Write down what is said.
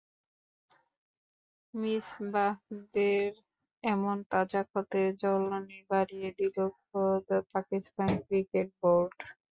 মিসবাহদের এমন তাজা ক্ষতে জ্বলুনি বাড়িয়ে দিল খোদ পাকিস্তান ক্রিকেট বোর্ড।